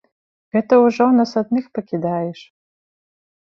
Гэта ўжо нас адных пакідаеш?